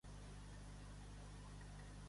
Telefona al Maximiliano Andrada.